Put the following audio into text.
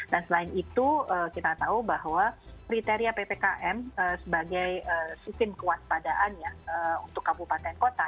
dan selain itu kita tahu bahwa kriteria ppkm sebagai sistem kewaspadaannya untuk kabupaten kota